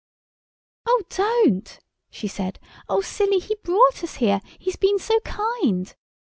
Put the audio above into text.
"Oh, don't," she said, "oh, Silly, he brought us here, he's been so kind."